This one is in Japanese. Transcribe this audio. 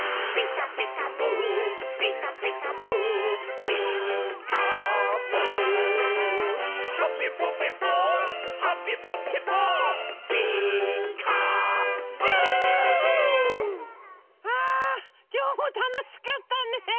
たのしかった！ねえ。